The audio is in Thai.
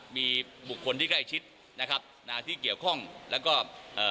มีบุคคลที่ใกล้ชิดนะครับนะที่เกี่ยวข้องแล้วก็เอ่อ